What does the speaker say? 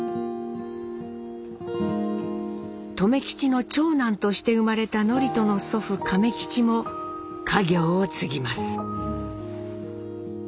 留吉の長男として生まれた智人の祖父・亀吉も家業を継ぎます。